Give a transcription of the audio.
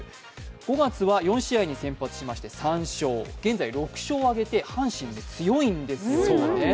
５月は４試合に先発しまして３勝、現在６勝挙げて阪神強いんですよね。